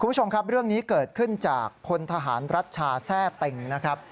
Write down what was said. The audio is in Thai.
คุณผู้ชมครับเรื่องนี้เกิดขึ้นจากพลทหารรัชชาแทร่เต็งนะครับ